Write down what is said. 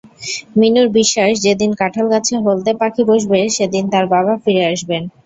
মিনুর বিশ্বাস, যেদিন কাঁঠালগাছে হলদে পাখি বসবে, সেদিন তার বাবা ফিরে আসবেন।